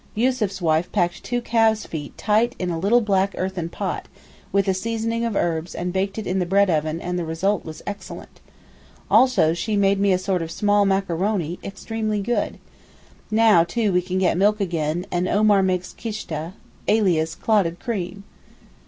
Yussuf's wife packed two calves' feet tight in a little black earthern pan, with a seasoning of herbs, and baked it in the bread oven, and the result was excellent. Also she made me a sort of small macaroni, extremely good. Now too we can get milk again, and Omar makes kishta, alias clotted cream.